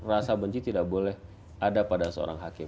rasa benci tidak boleh ada pada seorang hakim